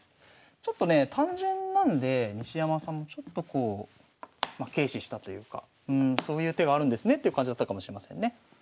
ちょっとねえ単純なんで西山さんもちょっとこうま軽視したというかそういう手があるんですねっていう感じだったかもしれませんね。